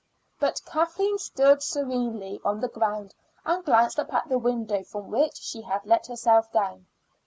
But Kathleen stood serenely on the ground, and glanced up at the window from which she had let herself down.